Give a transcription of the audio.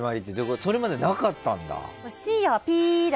それまでなかったんだ？